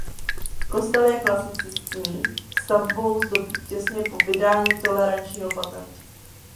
Kostel je klasicistní stavbou z doby těsně po vydání tolerančního patentu.